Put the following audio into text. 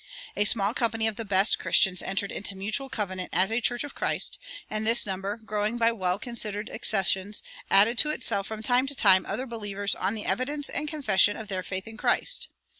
A small company of the best Christians entered into mutual covenant as a church of Christ, and this number, growing by well considered accessions, added to itself from time to time other believers on the evidence and confession of their faith in Christ.